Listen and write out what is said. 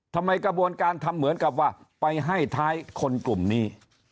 กระบวนการทำเหมือนกับว่าไปให้ท้ายคนกลุ่มนี้